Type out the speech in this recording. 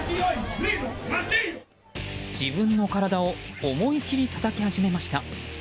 自分の体を思い切りたたき始めました。